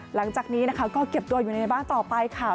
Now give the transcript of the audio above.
หลังจากนี้นะคะก็เก็บตัวอยู่ในบ้านต่อไปค่ะ